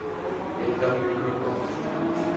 এটা বৃক্ষরোপণ অনুষ্ঠান।